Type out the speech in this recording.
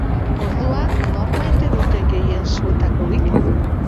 Orduan, nor maite dute gehien zuetako bik?